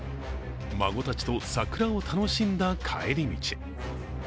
孫たちと桜を楽しんだ帰り道。